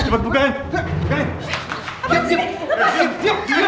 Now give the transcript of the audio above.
mereka menanggung kekuasaan kita